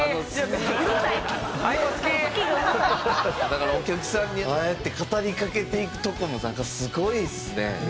だからお客さんにああやって語りかけていくとこもなんかすごいですね。